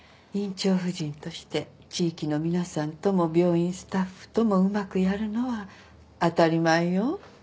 院長夫人として地域の皆さんとも病院スタッフともうまくやるのは当たり前よ。